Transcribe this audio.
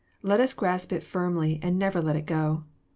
Let us grasp it firmly, and never let it go.